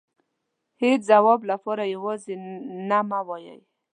هيچ ځواب لپاره يوازې نه مه وايئ .